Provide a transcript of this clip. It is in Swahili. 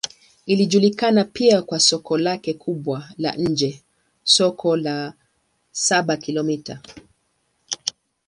Inajulikana pia kwa soko lake kubwa la nje, Soko la Saba-Kilomita.